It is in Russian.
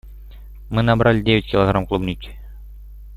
Мы набрали девять килограмм клубники.